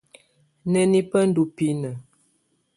Nǝ́ni bá ndɔ́ binǝ?